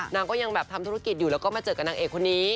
นางก็ยังแบบทำธุรกิจอยู่แล้วก็มาเจอกับนางเอกคนนี้